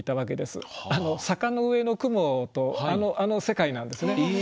「坂の上の雲」とあの世界なんですね。